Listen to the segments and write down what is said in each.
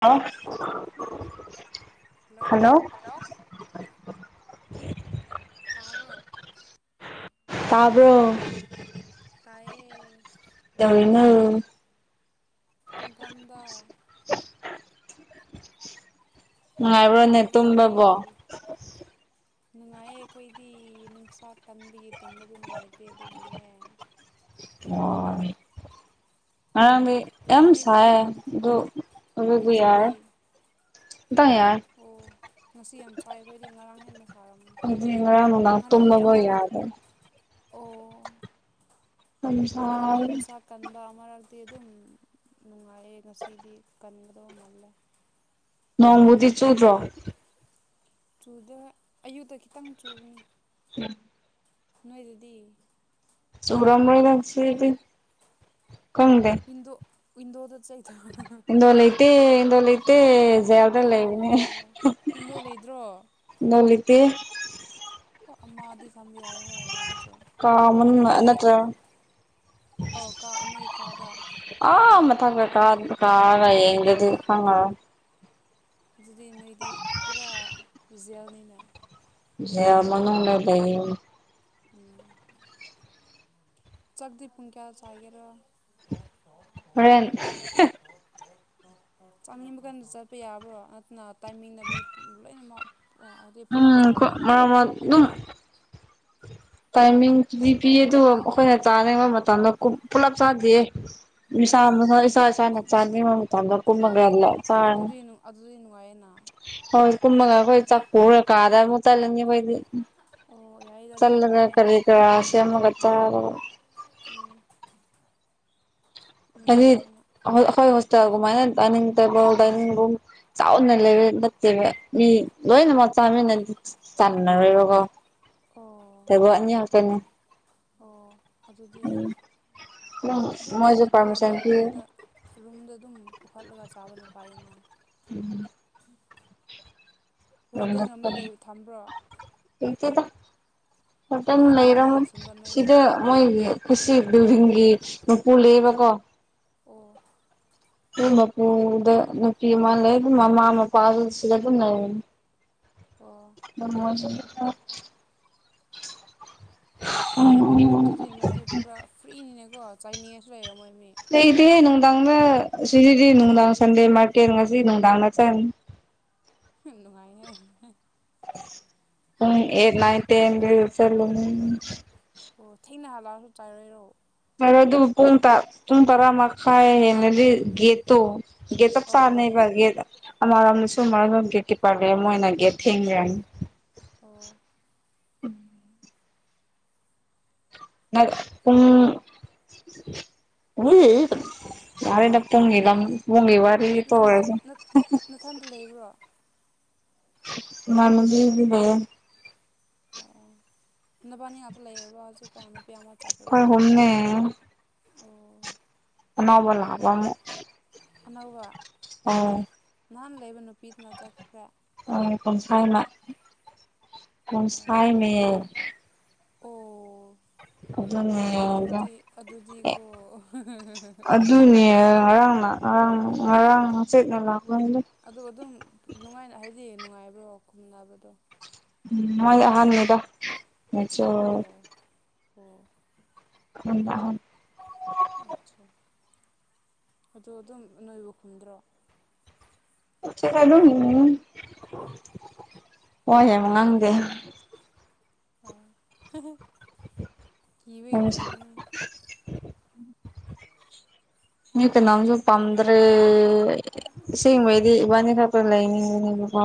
ꯑꯜꯂꯣ hello hello [unintelligible] ꯇꯥꯕ꯭ꯔꯣ ꯇꯥꯏꯌꯦ ꯀꯗꯧꯔꯥꯅꯣ ꯇꯨꯝꯐꯝꯗ ꯍꯤꯞꯄꯤꯌꯦ ꯅꯩꯉꯥꯢꯕ꯭ꯔꯣꯅꯦ ꯅꯪꯗꯤ ꯇꯨꯝꯕꯕꯣ ꯅꯨꯡꯉꯥꯏꯌꯦ ꯑꯩꯈꯣꯏꯗꯤ ꯅꯨꯡꯁꯥ ꯀꯟꯕꯒꯤ ꯇꯨꯝꯕꯗꯨ ꯅꯨꯡꯉꯥꯏꯇꯦ ꯑꯗꯨꯕꯨꯅꯦ ꯉꯔꯥꯡꯗꯩ ꯌꯥꯝ ꯅꯣꯏ ꯁꯥꯢꯌꯦ ꯑꯗꯣ ꯑꯗꯨꯕꯤ ꯌꯥꯔ ꯉꯁꯤꯗꯤ ꯑꯣ ꯉꯁꯤ ꯌꯥꯝ ꯁꯥꯢ ꯈꯣꯏꯗꯤ ꯉꯔꯥꯡ ꯍꯦꯟꯅ ꯁꯥꯔꯝꯃꯤ ꯑꯈꯣꯢꯗꯤ ꯉꯥꯔꯥꯡ ꯅꯨꯡꯗꯥꯡ ꯉꯔꯥꯡꯗꯤ ꯇꯨꯝꯕꯕꯧ ꯑꯃꯔꯛ ꯌꯥꯗꯦ ꯑꯣ ꯌꯥꯝ ꯁꯥꯢꯌꯦ ꯃꯔꯛꯗꯤ ꯑꯗꯨꯝ ꯅꯨꯡꯉꯥꯏꯌꯦ ꯉꯁꯤꯗꯤ ꯀꯟꯒꯗꯕ ꯃꯥꯜꯂꯦ ꯅꯣꯡꯕꯨꯗꯤ ꯆꯨꯗ꯭ꯔꯣ ꯆꯨꯗꯦ ꯑꯌꯨꯛꯇ ꯈꯤꯇꯪ ꯆꯨꯕꯅꯦ ꯎꯝ ꯅꯣꯏꯗꯗꯤ ꯆꯨꯔꯝꯔꯣꯢ ꯉꯁꯤꯗꯤ ꯀꯪꯗꯦ ꯋꯤꯟꯗꯣ ꯋꯤꯟꯗꯣꯗ [unintelligible] ꯎꯄꯥꯏ ꯂꯩꯇꯩ ꯖꯦꯜꯗ ꯂꯩꯕꯅꯦ ꯑꯣ ꯋꯤꯟꯗꯣ ꯂꯩꯇ꯭ꯔꯣ ꯅꯪꯗꯤ ꯄꯦ ꯃꯥꯗꯤ ꯀꯥ ꯃꯅꯨꯡ ꯑꯗꯨꯗꯤ ꯅꯠꯇ꯭ꯔ [unintelligible] ꯀꯥꯗ ꯑꯥ ꯃꯊꯛꯇ ꯀꯥ ꯀꯥꯔꯒ ꯌꯦꯡꯗꯗ꯭ꯔꯤ ꯈꯪꯉꯔꯣꯏ ꯑꯗꯨꯗꯤ ꯅꯣꯏꯗꯤ ꯄꯨꯔꯥ ꯖꯦꯜꯅꯤꯅ ꯌꯦꯜ ꯃꯅꯨꯡꯗ ꯂꯩꯕꯅꯦ ꯎꯝ ꯆꯥꯛꯇꯤ ꯄꯨꯨꯡ ꯀꯌꯥꯗ ꯆꯥꯒꯦꯔ ꯍꯣꯔꯦꯟ ꯆꯥꯅꯤꯡꯕ ꯀꯟꯗ ꯆꯠꯄ ꯌꯥꯕ꯭ꯔꯣ ꯅꯠꯇꯅ ꯇꯥꯏꯃꯤꯡꯗ ꯃꯤ ꯄꯨꯝ ꯂꯣꯏꯅꯃꯛ ꯍꯥꯏꯗꯤ ꯄꯨꯂꯞ ꯎꯝ ꯈꯣꯏ ꯆꯥꯒꯦꯔꯥ ꯃꯔꯛ ꯃꯔꯛ ꯑꯗꯨꯝ ꯇꯥꯏꯃꯤꯡ ꯄꯤꯗꯤ ꯄꯤꯌꯦ ꯑꯗꯨꯒ ꯑꯈꯣꯏꯅ ꯆꯥꯅꯤꯡꯕ ꯃꯇꯝꯗ ꯀꯨꯝ ꯄꯨꯂꯞ ꯆꯥꯗꯤꯌꯦ ꯑꯣ ꯃꯤꯁꯥ ꯏꯁꯥ ꯏꯁꯥꯅ ꯆꯥꯟꯅꯤꯡꯕ ꯃꯇꯝꯗ ꯀꯨꯝꯔꯒ ꯑꯗꯨ ꯂ ꯆꯥꯔꯅꯤ ꯑꯗꯨꯗꯤ ꯑꯗꯨꯗꯤ ꯅꯨꯡꯉꯥꯏꯌꯦꯅ ꯍꯣꯏ ꯀꯨꯝꯃꯒ ꯑꯈꯣꯏ ꯆꯥꯛ ꯄꯨꯔꯒ ꯀꯥꯗꯥ ꯑꯃꯨꯛ ꯆꯠꯂꯅꯤ ꯑꯈꯣꯏꯗꯤ ꯑꯣ ꯌꯥꯏꯗ ꯑꯗꯨꯅ ꯑꯗꯨꯗ ꯐꯩꯗ ꯀꯔꯤ ꯀꯔꯥ ꯁꯦꯝꯃꯒ ꯆꯥꯕ ꯎꯝ ꯅꯨꯡꯉꯥꯏ ꯍꯥꯏꯗꯤ ꯑꯗꯨꯅ ꯑꯈꯣꯏ ꯍꯣꯁ ꯑꯗꯨꯃꯥꯏꯅ ꯗꯥꯏꯅꯤꯡ ꯇꯦꯕꯜ ꯗꯥꯏꯅꯤꯡ ꯔꯨꯝ ꯆꯥꯎꯅ ꯂꯩ ꯅꯠꯇꯦꯕ ꯃꯤ ꯂꯣꯏꯅꯃꯛ ꯆꯥꯃꯤꯟꯅꯗꯤ ꯆꯥꯟꯅꯔꯣꯏꯕꯀꯣ ꯑꯣ ꯇꯦꯕꯜ ꯑꯅꯤ ꯈꯛꯇꯅꯤ ꯑꯣ ꯑꯗꯨꯗꯤ ꯍꯣꯏ ꯎꯝ ꯑꯗꯨ ꯃꯣꯏꯖꯨ ꯗꯣꯔꯃꯤꯠ ꯑꯗꯨ ꯔꯨꯝꯗ ꯔꯨꯝꯗ ꯑꯗꯨꯝ ꯄꯨꯈꯠꯂꯒ ꯆꯥꯕꯅ ꯐꯩꯅꯦ ꯎꯝ ꯋꯥꯔꯗꯦꯟ ꯑꯃ ꯂꯩꯕ ꯊꯝꯕ꯭ꯔꯣ ꯂꯩꯇꯦꯗ ꯍꯣꯇꯦꯜ ꯑꯗꯨꯗꯤ ꯀꯅꯥꯅ ꯂꯩꯔꯝ ꯌꯦꯡꯁꯤꯟꯕ ꯅꯣꯏꯕꯣ ꯁꯤꯗ ꯃꯣꯏꯒꯤ ꯀꯨꯁꯤ ꯕꯤꯜꯗꯤꯡꯒꯤ ꯃꯄꯨ ꯂꯩꯕꯀꯣ ꯑꯣ ꯃꯣꯏ ꯃꯄꯨꯗ ꯅꯨꯄꯤ ꯑꯃ ꯂꯩ ꯃꯥꯃ ꯃꯄꯥꯗꯨ ꯁꯤꯗ ꯑꯗꯨꯝ ꯑꯣ ꯂꯩꯔꯕꯅꯦ [unintelligible] ꯑꯗꯨꯗꯤ ꯅꯣꯏꯗꯤ ꯄꯨꯔꯥ ꯐ꯭ꯔꯤꯅꯤꯅꯦꯀꯣ ꯆꯥꯏꯅꯤꯡꯉꯥꯏꯁꯨ ꯂꯩꯔꯝꯃꯣꯏ ꯃꯤ ꯂꯩꯇꯦꯍꯦꯅꯣꯡ ꯗꯥꯥꯡꯗ ꯁꯤꯖꯤꯗꯤ ꯅꯨꯡꯗꯥꯡ ꯁꯟꯗꯦ ꯃꯥꯔꯀꯦꯠ ꯉꯁꯤ ꯅꯨꯡꯗꯥꯡꯅ ꯆꯠꯅꯤ ꯍꯝ ꯅꯨꯡꯉꯥꯏꯍꯦ ꯄꯨꯡ ꯆꯠꯂꯣ ꯑꯦꯠ ꯆꯠꯂꯣ ꯅꯥꯏꯟ ꯇꯦꯟ ꯗꯖꯨ ꯆꯠꯂꯨꯅꯤ ꯑꯣ ꯊꯦꯡꯅꯍꯜꯂꯛꯑꯒ ꯆꯥꯏꯔꯣꯏꯔꯣ ꯑꯗꯨ ꯄꯨꯡ ꯇꯔꯥ ꯇꯔꯥ ꯃꯈꯥꯏ ꯍꯦꯅꯗꯤ ꯒꯦꯠꯇꯣ ꯑꯣ ꯑꯣ ꯑꯣ [unintelligible] ꯑꯃꯔꯣꯝꯗ ꯁꯨꯝꯕ ꯒꯦꯠ ꯀꯤꯄ꯭ꯔ ꯂꯩ ꯃꯣꯏꯅ ꯊꯦꯡꯕ ꯌꯗꯦ ꯑꯣ [inaudible] ꯅꯥꯏꯠ ꯄꯨꯡ [unintelligible] ꯌꯥꯔꯦꯗ ꯄꯨꯡꯒꯤ ꯂꯝ ꯄꯨꯡꯒꯤ ꯋꯥꯔꯤ ꯅꯁꯥ ꯇꯧꯔꯦꯀꯣ ꯅ ꯅꯊꯟꯇ ꯂꯩꯕ꯭ꯔꯣ ꯏꯃꯥꯟꯅꯕꯤ ꯑꯃꯗꯤ ꯂꯩꯌꯦ ꯑꯣ ꯅꯕꯥꯟꯅꯤ ꯉꯥꯛꯇ ꯂꯩꯔꯕ꯭ꯔꯣ ꯍꯧꯖꯤꯛꯀꯥꯟ ꯑꯃ ꯈꯣꯏ ꯆꯠꯈ꯭ꯔꯕ꯭ꯔꯣ ꯑꯍꯨꯝꯅꯦ ꯑꯣ ꯅꯅꯧꯕ ꯂꯥꯛꯑꯕ ꯑꯃꯨꯛ ꯑꯅꯧꯕ ꯑꯧ ꯅꯍꯥꯟ ꯂꯩꯕ ꯅꯨꯄꯤꯗꯨꯅ ꯆꯠꯈ꯭ꯔꯦ ꯑꯥ ꯄꯨꯡꯁꯥꯏ ꯃ ꯑꯣ ꯄꯨꯡꯁꯥꯏꯃꯦ ꯑꯣ ꯑꯗꯨꯅꯦ ꯑꯗꯨ ꯑꯗꯨꯗꯤ ꯑꯦ ꯑꯗꯨꯗꯤꯀꯣ ꯑꯗꯨꯅꯦ ꯉꯔꯥꯡꯅ ꯉꯔꯥꯡ ꯉꯔꯥꯡ ꯃꯆꯦꯠꯅ ꯂꯥꯛꯄ ꯑꯗꯣ ꯑꯗꯨꯝ ꯅꯨꯡꯉꯅ ꯍꯥꯏꯗꯤ ꯅꯨꯡꯉꯥꯏꯕ꯭ꯔꯣ ꯈꯨꯝꯅꯕꯗꯣ ꯎꯝ ꯃꯣꯏ ꯑꯍꯥꯟꯅꯤꯗ ꯃꯦꯆꯨꯔ ꯑꯣꯏ ꯎꯝ [unintelligible] ꯑꯆꯥ ꯑꯗꯣ ꯑꯗꯨꯝ ꯅꯣꯏꯕꯨ ꯈꯨꯝꯗ꯭ꯔꯣ [unintelligible] ꯑꯗꯨꯝ ꯋꯥ ꯌꯥꯝ ꯉꯥꯡꯗꯦ ꯍꯣꯏ ꯍꯦ ꯍꯦ ꯀꯤꯕꯩ ꯑꯣꯏꯔꯝꯅꯤ ꯃꯤ ꯀꯥꯅꯥꯝꯇ ꯄꯥꯝꯗ꯭ꯔꯦ ꯑꯁꯦꯡꯕꯩꯗꯤ ꯏꯕꯥꯅꯤꯈꯛꯇ ꯂꯩꯃꯤꯟꯅꯅꯤꯡꯕꯅꯤ ꯀꯣ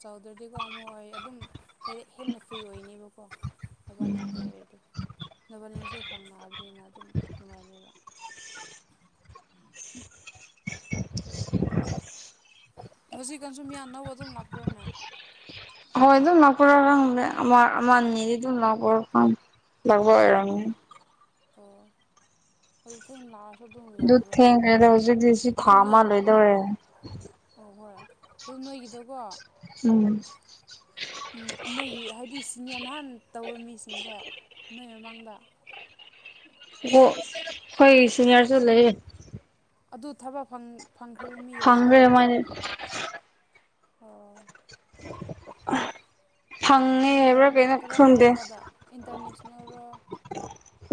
ꯆꯥꯎꯗ꯭ꯔꯗꯤꯀꯣ ꯑꯃꯨꯛ ꯑꯣꯏꯌꯦ ꯑꯗꯨꯝ ꯍꯥꯏꯗꯤ ꯍꯦꯟꯅ ꯐ꯭ꯔꯤ ꯑꯣꯏꯅꯦꯕꯀꯣ ꯅꯕꯥꯅꯤ ꯉꯥꯛꯇ ꯑꯣꯏꯗꯤ ꯅꯕꯥꯅꯤꯅꯁꯨ ꯐꯪꯉꯛꯑꯕꯅꯤꯅ ꯑꯗꯨꯝ ꯅꯨꯡꯉꯥꯏꯅꯦꯕ [inaudible] ꯍꯧꯖꯤꯛꯀꯥꯟꯁꯨ ꯃꯤꯌꯥꯝ ꯅꯧꯕ ꯑꯗꯨꯝ ꯂꯥꯛꯄ꯭ꯔꯥꯅꯦ ꯍꯣꯏ ꯑꯗꯨꯝ ꯂꯥꯛꯄꯔꯥ ꯈꯪꯗꯦ ꯑꯃ ꯑꯃ ꯑꯅꯤꯗꯤ ꯗꯨꯝ ꯂꯥꯛꯄꯔ ꯈꯪ ꯂꯥꯛꯕ ꯑꯣꯏꯔꯝꯅꯤ ꯑꯣ ꯑꯣ ꯑꯩ ꯊꯦꯡ ꯂꯥꯛ ꯑꯗꯨ ꯊꯦꯡꯈꯩꯗ ꯍꯧꯖꯤꯛꯗꯤ ꯁꯤ ꯑꯗꯨ ꯊꯥ ꯅꯣꯏ ꯃꯥ ꯂꯣꯏꯗꯧꯔꯦ ꯑꯣ ꯍꯣꯏ ꯑꯗꯨ ꯅꯣꯏꯒꯤꯗꯣꯀꯣ ꯎꯝ ꯅꯣꯏꯒꯤ ꯍꯥꯏꯗꯤ ꯁꯤꯅꯦ ꯅꯍꯥꯟ ꯇꯧꯕ ꯃꯤꯁꯤꯡꯁꯦ ꯅꯣꯏ ꯃꯃꯥꯡꯗ ꯑꯣ ꯑꯩꯈꯣꯏꯒꯤ ꯁꯤꯅꯤꯌꯥꯔꯁꯨ ꯂꯩꯌꯦ ꯑꯗꯨ ꯊꯕꯛ ꯐꯪ ꯐꯪꯈ꯭ꯔꯦ ꯃꯣꯏꯗꯤ ꯑꯣ [inaudible] ꯀꯔꯝ ꯍꯥꯏꯕ꯭ꯔꯥ ꯀꯔꯝꯕ ꯀꯩꯅꯣ ꯀꯔꯝ ꯈꯪꯗꯦ ꯀꯔꯝꯕꯗ ꯏꯟꯇꯔꯅꯦꯁꯅꯦꯜꯂꯣ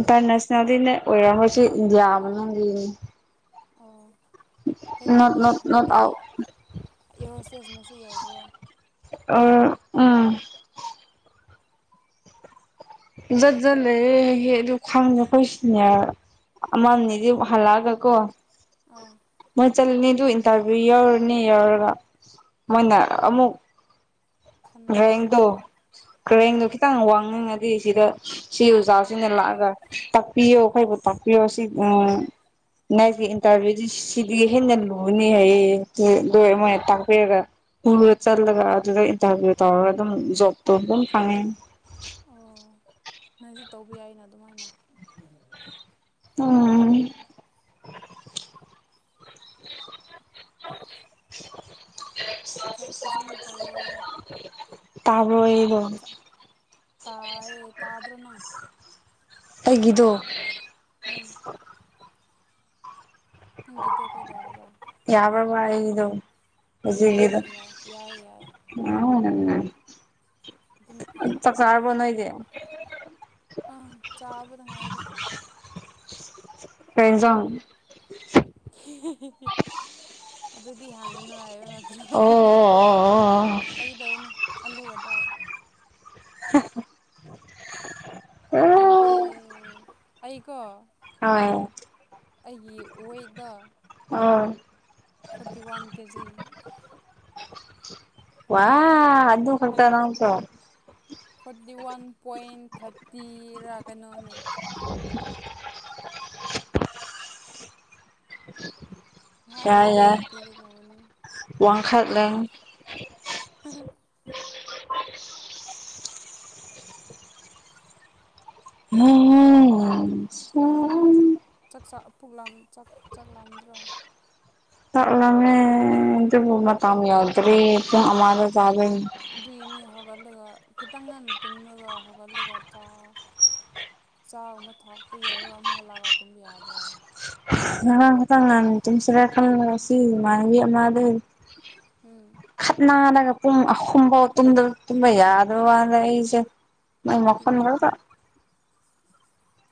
ꯏꯟꯇ꯭ꯔꯅꯧꯁꯅꯦꯜꯗꯤꯅꯦ ꯑꯣꯏꯔꯝꯂꯣꯏ ꯁꯤ ꯏꯗꯤꯌꯥ ꯃꯅꯨꯡꯒꯤꯅꯤ ꯑꯣ ꯅꯣꯠ ꯀꯩꯀꯩꯅꯣ ꯅꯣꯠ ꯅꯣꯠ ꯍꯥꯏꯗꯤ ꯑꯥꯎꯠ ꯏꯌ꯭ꯔ ꯍꯣꯁꯇꯦꯁ ꯃꯁꯨ ꯌꯥꯎꯕ꯭ꯔꯣ ꯑꯣ ꯎꯝ ꯐꯩ ꯖꯠꯖꯠ ꯑꯗꯨꯗꯤ ꯐꯩ ꯂꯩꯌꯦ ꯗꯨ ꯈꯪꯅ [unintelligible] ꯑꯃ ꯅꯤꯗꯤ ꯍꯜꯂꯛꯑꯒ ꯀꯣ ꯑꯥ ꯇꯜꯂꯤꯅꯦ ꯑꯗꯨ ꯏꯟꯇꯔꯚꯤꯌꯨ ꯌꯥꯎꯔꯅꯤ ꯌꯥꯎꯔꯒ ꯃꯣꯏꯅ ꯑꯃꯨꯛ ꯈꯟ ꯔꯦꯡꯗꯣ ꯊꯣꯛꯇꯕ ꯔꯦꯡꯗꯣ ꯑꯥ ꯈꯤꯇꯪ ꯋꯥꯡꯅꯤꯡꯉꯗꯤ ꯁꯤꯗ ꯁꯤ ꯑꯣꯖꯥꯁꯤꯅ ꯑꯠꯆꯥ ꯂꯥꯛꯑꯒ ꯇꯥꯛꯄꯤꯌꯣ ꯑꯩꯈꯩꯕꯨ ꯇꯥꯛꯄꯤꯌꯣ ꯁꯤ ꯎꯝ ꯅꯣꯏꯒꯤ ꯏꯟꯇꯔꯚꯤꯌꯨꯗꯤ ꯁꯤꯗꯤ ꯍꯦꯟꯅ ꯂꯨꯅꯤ ꯑꯣ ꯍꯥꯏꯌꯦ [unintelligible] ꯇꯥꯛꯄꯤꯔꯒ ꯄꯨꯔ ꯆꯠꯂꯒ ꯑꯗꯨꯗꯩ ꯇꯞꯅ ꯇꯧꯔꯒ ꯗꯨꯝ ꯖꯣꯞ ꯇꯣꯞ ꯑꯗꯨꯝ ꯐꯪꯉꯦ ꯑꯣ ꯅꯣꯏꯖꯨ ꯇꯧꯕ ꯌꯥꯏꯅ ꯑꯗꯨꯃꯥꯏꯅ ꯎꯝ [inaudible] ꯊꯕꯛ ꯐꯖꯅ ꯇꯧꯑꯣ ꯇꯥꯕ꯭ꯔꯣ ꯑꯩꯗꯣ ꯆ ꯇꯥꯏꯌꯦ ꯇꯥꯗ꯭ꯔꯣ ꯅꯪ ꯑꯩꯒꯤꯗꯣ ꯎꯝ ꯅꯪꯒꯤꯗꯣ ꯀꯩꯗꯧꯔꯕ ꯉꯥꯏꯔꯤꯗꯣ ꯍꯣꯏ ꯌꯥꯏ ꯍꯣꯏ ꯌꯥꯏ ꯌꯥꯏ ꯌꯥꯏ ꯑꯗꯨꯝ ꯎꯝ ꯌꯥꯝ ꯆꯥꯛ ꯆꯔꯕꯣ ꯅꯣꯢꯗꯤ ꯑꯪ ꯆꯥꯕꯗ ꯉꯥꯏꯔꯤ ꯀꯩ ꯍꯤꯟꯖꯥꯡ ꯑꯗꯨꯗꯤ ꯍꯪꯉꯅꯨ ꯍꯥꯏꯕ ꯅꯠ ꯍꯥ ꯑꯣ ꯍꯥ ꯍꯥ ꯑꯣ ꯐꯥꯒꯤ ꯇꯧꯕꯅꯦ ꯑꯜꯂꯨꯒ ꯇꯥꯎ ꯑꯣ ꯍꯣꯡꯗ꯭ꯔꯦ ꯑꯩꯀꯣ ꯍꯣꯢꯌꯦ ꯑꯩꯒꯤ ꯋꯦꯠꯗ ꯑꯥ ꯐꯣꯔꯇꯤ ꯋꯥꯟ ꯀꯦꯖꯤ ꯋꯥ ꯑꯗꯨ ꯈꯛꯇ ꯅꯪꯁꯨ ꯐꯣꯔꯇꯤ ꯋꯥꯟ ꯄꯣꯏꯟ ꯊꯔꯇꯤꯔꯥ ꯀꯩꯅꯣꯅꯦ [inaudible] ꯉꯍꯥꯛ ꯌꯥꯏ ꯂꯩꯔꯗꯤ ꯊꯔꯇꯤꯗ ꯀꯨꯝꯃꯅꯤ ꯈꯠꯂꯦ [unintelligible] [unintelligible] [unintelligible] ꯆꯥꯛ ꯄꯨꯛ ꯂꯥꯝ ꯆꯥꯛ ꯆꯥꯛ ꯂꯥꯝꯗ꯭ꯔꯣ ꯆꯥꯛ ꯂꯥꯝꯃꯦ ꯑꯗꯨꯕꯨ ꯃꯇꯝ ꯌꯧꯗ꯭ꯔꯤ ꯄꯨꯡ ꯑꯃꯗ ꯆꯥ ꯗꯣꯏꯅꯦ ꯑꯗꯨꯏꯅꯦ ꯍꯧꯒꯠꯂꯒ ꯈꯤꯇꯪ ꯉꯟꯅ ꯇꯨꯝꯔꯒ ꯍꯧꯒꯠꯂꯒ ꯆꯥ ꯆꯥ ꯑꯃ ꯊꯥꯛꯄ ꯌꯧꯔ ꯑꯃꯨꯛ ꯍꯜꯂꯛꯑꯒ ꯇꯨꯝꯕ ꯌꯥꯗ꯭ꯔꯣ ꯉꯔꯥꯡ ꯈꯤꯇꯡ ꯉꯟꯅ ꯇꯨꯝꯁꯤꯔ ꯈꯜꯂ ꯅꯁꯤ ꯏꯃꯥꯟꯅꯕꯤ ꯑꯃꯗꯣ ꯎꯝ ꯈꯠꯅꯔꯒ ꯄꯨꯡ ꯑꯍꯨꯝ ꯐꯥꯎ ꯇꯨꯝꯗ ꯇꯨꯝꯕ ꯌꯥꯗꯕꯅ ꯑꯩꯁꯦ ꯃꯥꯢ ꯃꯈꯣꯟꯗꯨꯗ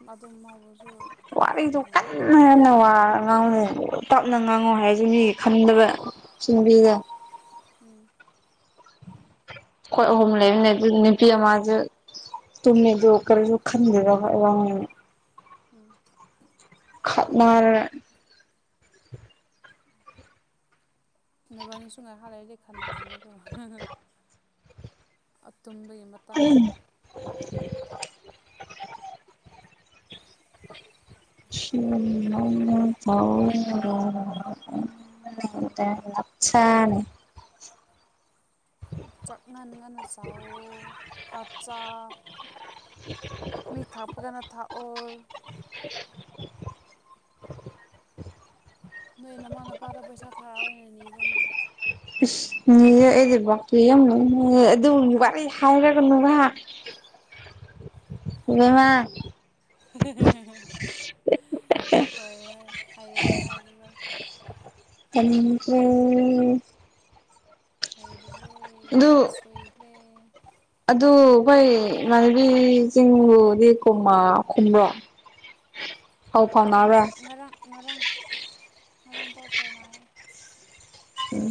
ꯃꯥꯗꯨ ꯑꯥꯎꯕꯔꯣꯁꯨ ꯋꯥꯔꯤꯗꯨ ꯀꯟꯅꯅ ꯋꯥ ꯉꯥꯡꯉꯣ ꯇꯞꯅ ꯉꯥꯡꯉꯨ ꯍꯥꯏꯔꯁꯨ ꯃꯤꯒꯤ ꯈꯟꯗꯕ ꯁꯤꯅꯨꯄꯤꯖ ꯎꯝ ꯈꯣꯏ ꯑꯍꯨꯝ ꯂꯩꯕꯅꯦ ꯑꯗꯨ ꯅꯨꯄꯤ ꯑꯃꯁꯨ ꯇꯨꯝꯃꯦ ꯑꯗꯨ ꯀꯔꯤꯁꯨ ꯈꯟꯗꯦꯗ ꯈꯣꯏ ꯋꯥ ꯉꯥꯡꯉꯣ ꯎꯝ ꯈꯠꯅꯔ ꯅꯕꯅꯤꯁꯨ ꯉꯍꯥꯛ ꯂꯩꯔꯗꯤ ꯈꯠꯅꯔꯅꯤꯀꯣ ꯇꯨꯝꯕꯒꯤ ꯃꯇꯥꯡꯗ ꯁꯤ ꯅꯪꯅ ꯐꯥꯎꯕ [unintelligible] ꯆꯥꯛ ꯉꯟꯅ ꯉꯟꯅ ꯆꯥꯎꯋꯣ ꯑꯠꯆꯥ ꯃꯤ ꯊꯥꯞꯄꯒꯅ ꯊꯥꯥꯛꯑꯣ [inaudible] ꯔꯅ ꯏꯁ ꯅꯤꯌꯦ ꯑꯩꯗꯤ ꯕꯥꯀꯤ ꯌꯥꯝ ꯂꯧꯅꯨꯍꯦ ꯑꯗꯨꯒꯨꯝꯕ ꯋꯥꯔꯤ ꯍꯥꯏꯔꯛꯀꯅꯨꯍꯥ ꯏꯕꯤꯃꯥ ꯍꯦ ꯍꯦ ꯍꯣꯏ ꯍꯣꯏ ꯍꯥꯏꯔꯔꯣꯏ ꯍꯥꯏꯔꯔꯣꯏ ꯇꯅꯤꯡꯇ꯭ꯔꯦ ꯍꯥꯏꯔꯔꯣꯏ ꯑꯩ ꯁꯣꯏꯈ꯭ꯔꯦ ꯈꯣꯢ ꯏꯃꯥꯟꯅꯕꯤ ꯆꯤꯡꯗꯨꯗꯤ ꯀꯨꯝꯃꯥ ꯈꯨꯝꯕ꯭ꯔꯣ ꯄꯥꯎ ꯈꯨꯝ ꯐꯥꯎꯅꯕ꯭ꯔꯥ ꯉꯔꯥꯡ ꯉꯔꯥꯡ ꯉꯔꯥꯡ ꯄꯥꯎ ꯐꯥꯎꯅꯥꯏꯌꯦ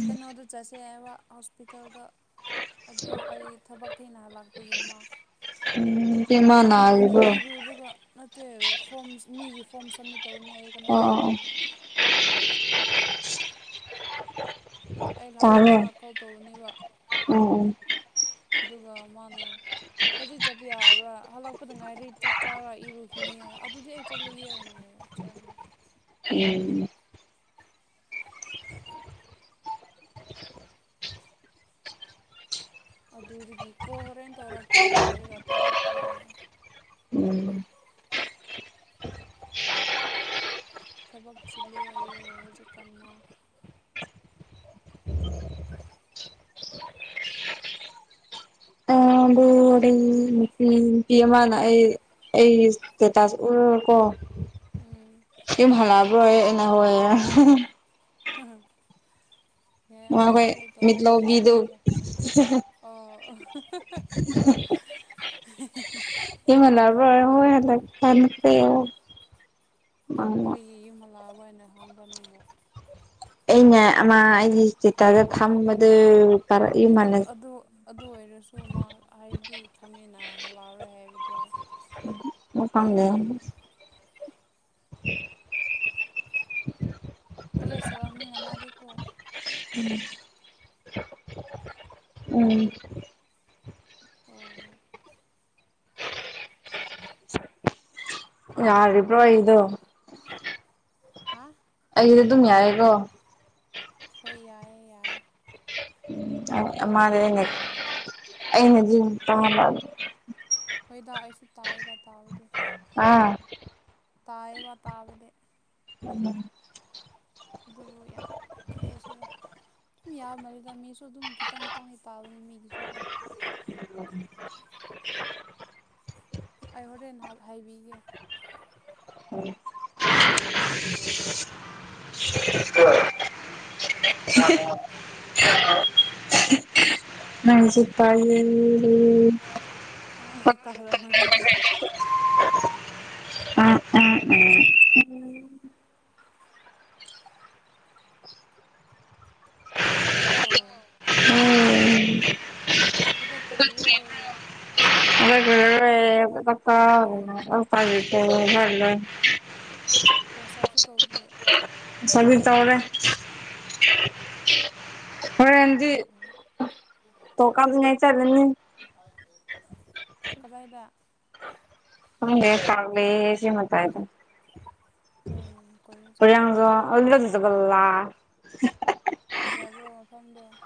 ꯀꯩꯅꯣꯗꯣ ꯆꯠꯁꯦ ꯍꯥꯏꯕ ꯍꯣꯁꯄꯤꯇꯥꯜꯗ ꯑꯗꯨ ꯑꯩ ꯊꯕꯛ ꯊꯦꯡꯅꯍꯜꯂꯥꯛꯄꯒꯤꯃ ꯎꯝ ꯏꯕꯦꯝꯃ ꯏꯔꯨꯈꯤ ꯅꯥꯔꯤꯕ꯭ꯔꯣ ꯏꯔꯨꯔꯒ ꯅꯠꯇꯦ ꯐꯣꯝ ꯃꯤꯒꯤ ꯐꯣꯝꯁꯝꯃꯤꯠ ꯇꯧꯅꯤ ꯍꯥꯏꯌꯦ ꯑꯣ ꯀꯅꯥꯒꯤꯔꯣ ꯑꯣ ꯈꯪꯗꯦ ꯑꯩ ꯂꯛ ꯇꯥꯕ꯭ꯔꯣ ꯍꯜꯂꯛꯒ ꯀꯣꯜ ꯇꯧꯕꯅꯦꯕ ꯎꯝ ꯑꯗꯨꯒ ꯃꯥꯅ ꯍꯧꯖꯤꯛ ꯆꯠꯄ ꯌꯥꯔꯔꯣꯏ ꯍꯜꯂꯛꯄꯗ ꯉꯥꯏꯔꯤ ꯆꯠ ꯆꯥꯔꯥ ꯏꯔꯨꯈꯤꯅꯤꯔ ꯑꯗꯨꯗꯤ ꯑꯩ ꯆꯠꯂꯒꯦ ꯍꯥꯏꯅ ꯍꯥꯏꯌꯦ ꯆꯠꯈ꯭ꯔꯦ ꯎꯝ ꯑꯗꯨꯗꯒꯤ ꯀꯣ ꯍꯣꯔꯦꯟ ꯇꯧꯔꯛꯀꯦ ꯍꯥꯏꯔꯒ ꯇꯧꯔꯛꯇ꯭ꯔꯦ ꯎꯝ ꯊꯕꯛ ꯆꯤꯜꯂꯤ ꯍꯥꯏꯌꯦ ꯍꯧꯖꯤꯛꯀꯥꯟ ꯃ ꯎꯝ ꯍꯣꯔꯦꯟ ꯅꯨꯄꯤ ꯅꯨꯄꯤ ꯑꯃꯅ ꯑꯩ ꯑꯩ ꯏꯁꯇꯦꯇꯥꯁ ꯎꯔꯒꯀꯣ ꯎꯝ ꯌꯨꯝ ꯍꯥꯜꯂꯛꯑꯕ꯭ꯔꯣ ꯌꯦ ꯑꯩꯅ ꯍꯣꯏ ꯍꯥꯏꯕꯅꯦ ꯍꯍꯪ ꯃꯈꯣꯏ ꯃꯤꯠꯂꯥꯎꯕꯤꯗꯣ ꯑꯣ [unintelligible] ꯍꯦ ꯍꯦ ꯍꯣꯏ ꯍꯣꯏ ꯍꯥꯜꯂꯛꯄꯔ ꯌꯦꯡꯉꯣ ꯀ꯭ꯔꯤ ꯌꯨꯝ ꯍꯥꯜꯂꯛꯑꯕ ꯍꯥꯏꯅ ꯍꯥꯡꯕ꯭ꯔꯣ ꯅꯪꯕꯣ ꯑꯩꯅꯦ ꯑꯃ ꯑꯩꯒꯤ ꯏꯁꯇꯦꯇꯥꯔꯗ ꯊꯝꯕꯗꯨ ꯌꯨꯝꯍꯜꯂ ꯑꯗꯨ ꯑꯗꯨ ꯑꯣꯏꯔꯁꯨ ꯃꯥ ꯍꯥꯏꯗꯤ ꯈꯪꯅꯤꯅ ꯃꯂꯔꯣꯏ ꯍꯥꯏꯕꯗꯣ ꯃꯀꯪꯗꯦ [unintelligible] ꯀ꯭ꯣꯂꯦꯖ ꯆꯠꯂꯝꯅꯤꯅ ꯃꯥꯗꯤꯀꯣ ꯎꯝ ꯎꯝ ꯑꯣ [inaudible] ꯌꯥꯔꯤꯕ꯭ꯔꯣ ꯑꯩꯗꯣ ꯍꯥ ꯑꯩꯗꯣ ꯑꯗꯨꯝ ꯌꯥꯔꯤꯒꯣ ꯍꯣꯅ ꯌꯥꯥꯏꯌꯦ ꯌꯥꯏꯌꯦ ꯎꯝ ꯑꯃꯗꯤ ꯑꯩꯅ ꯑꯩꯅꯗꯤ ꯄꯥꯝꯕ ꯍꯣꯏꯗ ꯑꯩꯁꯨ ꯇꯥꯏꯌꯦꯗ ꯇꯥꯕꯗꯤ ꯑꯥ ꯇꯥꯏꯌꯦꯕ ꯇꯥꯕꯗꯤ ꯎꯝ ꯑꯗꯨꯕꯨ ꯌꯥꯝ ꯀꯔꯤ ꯍꯥꯏꯁꯤ ꯑꯗꯨꯝ ꯌꯥꯝꯕꯅꯦꯗ ꯃꯤꯁꯨ ꯑꯗꯨꯝ ꯈꯤꯇꯪ ꯈꯤꯇꯪꯗꯤ ꯇꯥꯎꯕꯅꯤ ꯃꯥꯒꯤꯁꯨꯀꯣ ꯑꯩ ꯍꯣꯔꯦꯟ ꯍꯥꯏꯕꯤꯒꯦ [unintelligible] ꯅꯪꯁꯨ ꯄꯥꯏꯌꯦ ꯔꯦ ꯑꯣ ꯇꯥꯎꯔꯝꯃꯅꯤ ꯎꯝ ꯎꯝ ꯎꯝ ꯑꯗꯣ ꯎꯝ ꯍꯧꯒꯠꯇ꯭ꯔꯤꯕ꯭ꯔꯣ [unintelligible] [unintelligible] ꯎꯝ ꯁꯔꯕꯤꯛ ꯋꯥꯆꯞꯁꯨ ꯇꯧꯗ꯭ꯔꯤ ꯇꯧꯔꯦ ꯍꯔꯦꯟꯗꯤ ꯇꯣ ꯀꯥꯞꯅꯤꯡꯉꯥꯢ ꯆꯠꯂꯅꯤ ꯀꯗꯥꯢꯗ ꯈꯪꯗꯦ ꯄꯥꯔꯛ ꯂꯩꯌꯦ ꯑꯁꯤ ꯃꯇꯥꯢꯗ ꯍꯣꯏ ꯀꯣꯏꯕ ꯆꯠꯂꯣ [unintelligible] ꯐꯖꯕ꯭ꯔꯣ ꯃꯐꯝꯗꯣ